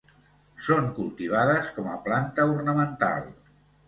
Són cultivades com a planta ornamental.